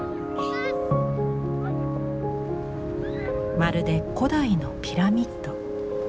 まるで古代のピラミッド。